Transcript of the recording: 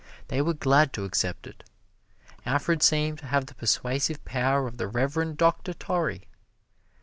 They were glad to accept it. Alfred seemed to have the persuasive power of the Reverend Doctor Torrey.